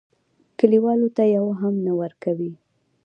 کلیوالو ته یوه هم نه ورکوي.